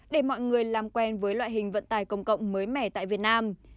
để mọi người làm quen với loại hình vận tài công cộng mới mẻ tại việt nam